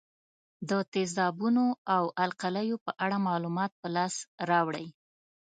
د تیزابونو او القلیو په اړه معلومات په لاس راوړئ.